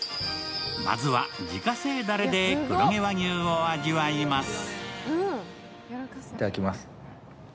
まずは自家製だれで黒毛和牛を味わいます。